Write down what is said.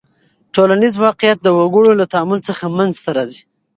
ټولنیز واقعیت د وګړو له تعامل څخه منځ ته راځي.